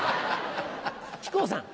木久扇さん。